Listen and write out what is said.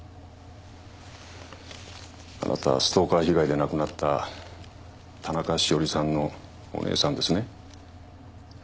あなたはストーカー被害で亡くなった田中栞さんのお姉さんですね？